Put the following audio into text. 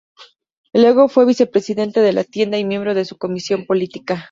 Luego fue vicepresidente de la tienda y miembro de su Comisión Política.